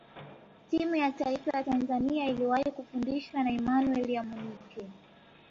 timu ya taifa ya tanzania iliwahi kufundishwa na emmanuel amunike